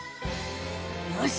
よし！